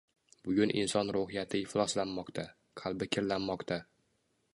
Bugun inson ruhiyati ifloslanmoqda, qalbi kirlanmoqda.